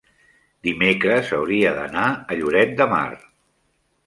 dimecres hauria d'anar a Lloret de Mar.